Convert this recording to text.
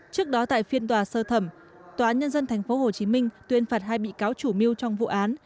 trước đó tại phiên tòa sơ thẩm tòa án nhân dân tp hcm tuyên phạt hai bị cáo chủ mưu trong vụ án